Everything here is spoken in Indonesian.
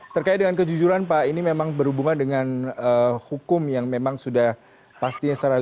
terkait dengan kejujuran pak ini memang berhubungan dengan hukum yang memang sudah pastinya secara